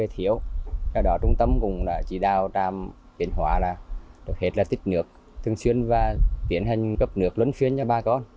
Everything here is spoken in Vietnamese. tuyên hóa đã tích nước thường xuyên và tiến hành cấp nước lẫn phiên cho ba con